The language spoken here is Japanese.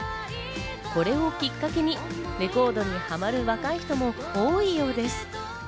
これをきっかけにレコードにハマる若い人も多いようです。